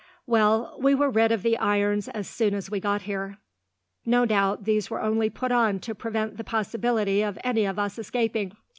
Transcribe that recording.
"Well, we were rid of the irons as soon as we got here. No doubt these were only put on to prevent the possibility of any of us escaping.